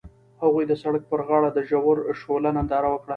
هغوی د سړک پر غاړه د ژور شعله ننداره وکړه.